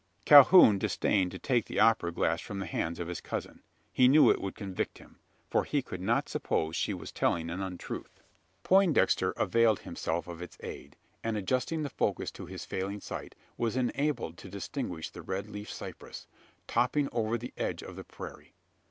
Calhoun disdained to take the opera glass from the hands of his cousin. He knew it would convict him: for he could not suppose she was telling an untruth. Poindexter availed himself of its aid; and, adjusting the focus to his failing sight, was enabled to distinguish the red leafed cypress, topping up over the edge of the prairie.